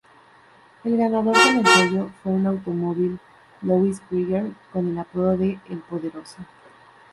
El ganador del ensayo fue un automóvil Louis-Krieger con el apodo de: el 'Poderoso'.